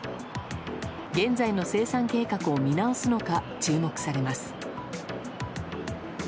現在の生産計画を見直すのか注目されます。